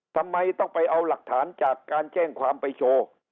ทำไมต้องไปเอาหลักฐานจากการแจ้งความไปโชว์